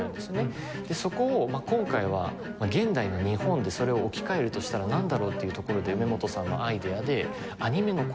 そこを今回は現代の日本でそれを置き換えるとしたらなんだろうっていうところで梅本さんのアイデアでアニメの声。